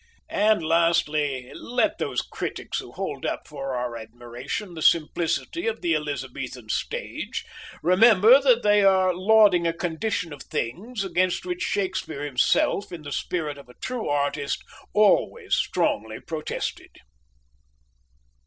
And lastly, let those critics who hold up for our admiration the simplicity of the Elizabethan Stage, remember that they are lauding a condition of things against which Shakespeare himself, in the spirit of a true artist, always strongly protested.